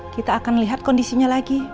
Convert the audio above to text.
kita akan lihat kondisinya lagi